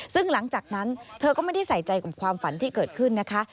ซึ่งหลังจากนั้นเธอก็ไม่ได้ใส่ใจกับความฝันที่เกิดขึ้นนะคะ